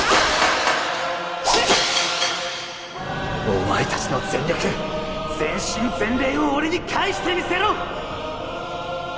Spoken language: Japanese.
お前達の全力全身全霊を俺に返してみせろ！